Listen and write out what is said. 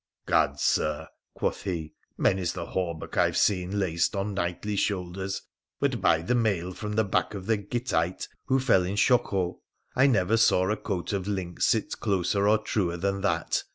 ' Gads ! Sir,' quoth he, ' many's the hauberk I have seen laced on knightly shoulders, but by the mail from the back of the Gittite, who fell in Shochoh, I never saw a coat of links sit closer or truer than that